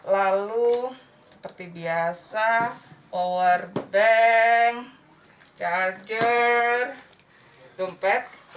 lalu seperti biasa power bank charger dompet